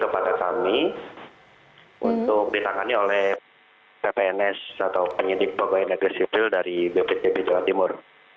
pasang ini untuk ditangani oleh ppns atau penyelidik pembangunan negeri sivil dari bpcb jawa timur